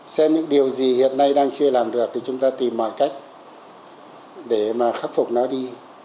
xem những điều gì hiện nay đang chưa làm được thì chúng ta tìm mọi cách để mà khắc phục nó đi